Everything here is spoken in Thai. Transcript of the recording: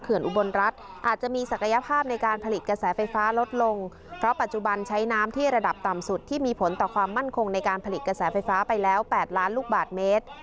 อุบลรัฐอาจจะมีศักยภาพในการผลิตกระแสไฟฟ้าลดลงเพราะปัจจุบันใช้น้ำที่ระดับต่ำสุดที่มีผลต่อความมั่นคงในการผลิตกระแสไฟฟ้าไปแล้ว๘ล้านลูกบาทเมตร